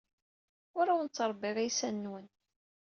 Ur awen-ttṛebbiɣ iysan-nwen.